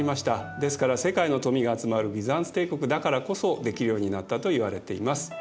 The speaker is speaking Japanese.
ですから世界の富が集まるビザンツ帝国だからこそできるようになったといわれています。